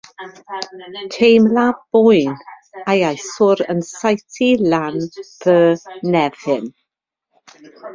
Teimlaf boen iasoer yn saethu lan fy nghefn